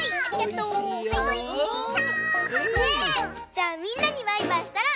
じゃあみんなにバイバイしたらたべよう！